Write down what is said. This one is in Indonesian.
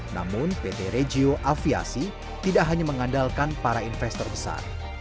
namun pt regio aviasi tidak hanya mengandalkan para investor besar